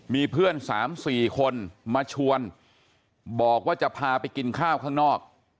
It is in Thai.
มีเพื่อน๓๔คนมาชวนบอกว่าจะพาไปกินข้าวข้างนอก